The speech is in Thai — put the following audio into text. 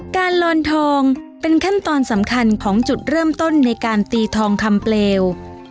ลอนทองเป็นขั้นตอนสำคัญของจุดเริ่มต้นในการตีทองคำเปลว